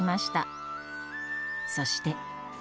そして。